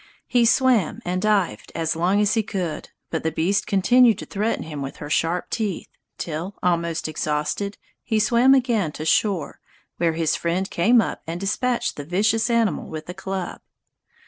He swam and dived as long as he could, but the beast continued to threaten him with her sharp teeth, till, almost exhausted, he swam again to shore, where his friend came up and dispatched the vicious animal with a club.